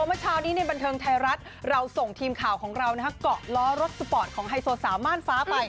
เมื่อเช้านี้ในบันเทิงไทยรัฐเราส่งทีมข่าวของเราเกาะล้อรถสปอร์ตของไฮโซสาวม่านฟ้าไป